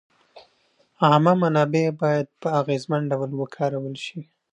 عامه منابع باید په اغېزمن ډول وکارول شي.